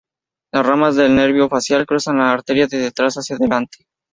Las ramas del nervio facial cruzan la arteria de detrás hacia adelante.